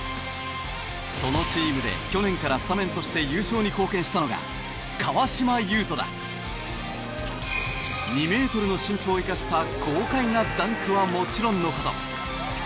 そのチームで去年からスタメンとして優勝に貢献したのが２メートルの身長を生かした豪快なダンクはもちろんの事。